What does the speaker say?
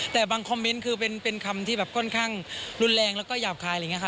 แต่บางคอมเมนต์คือเป็นคำที่แบบค่อนข้างรุนแรงแล้วก็หยาบคายอะไรอย่างนี้ค่ะ